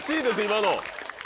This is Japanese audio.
今の！